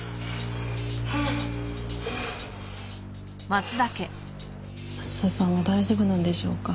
松田さんは大丈夫なんでしょうか。